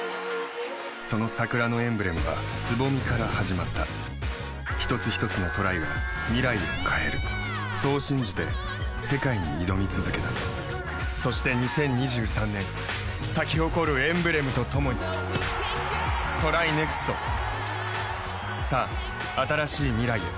その桜のエンブレムは蕾から始まった一つひとつのトライが未来を変えるそう信じて世界に挑み続けたそして２０２３年咲き誇るエンブレムとともにＴＲＹＮＥＸＴさあ、新しい未来へ。